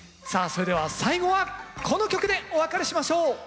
さあそれでは最後はこの曲でお別れしましょう。